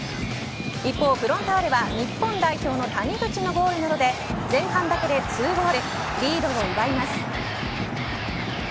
一方フロンターレは日本代表の谷口のゴールなどで前半だけで２ゴールリードを奪います。